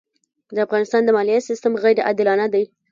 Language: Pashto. د افغانستان د مالیې سېستم غیرې عادلانه دی.